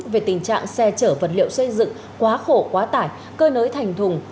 về tình trạng xe chở vật liệu xây dựng quá khổ quá tải cơi nới thành thùng